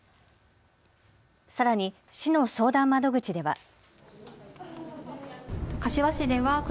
さらに市の相談窓口では。